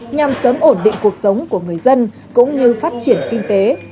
nhằm sớm ổn định cuộc sống của người dân cũng như phát triển kinh tế